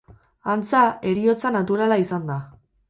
Antza, heriotza naturala izan da.